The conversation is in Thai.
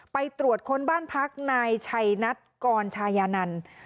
ไปตรวจค้นบ้านพักนายชัยนัทกรชายานันต์